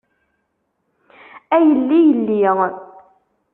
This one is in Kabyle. A yelli yelli.